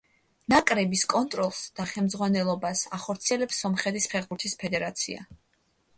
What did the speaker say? ნაკრების კონტროლს და ხელმძღვანელობას ახორციელებს სომხეთის ფეხბურთის ფედერაცია.